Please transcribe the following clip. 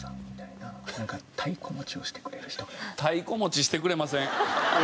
太鼓持ちしてくれません。